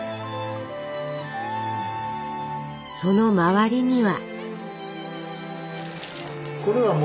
その周りには。